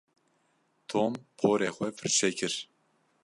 Tom porê xwe firçe kir.